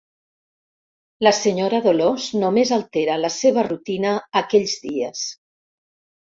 La senyora Dolors només altera la seva rutina aquells dies.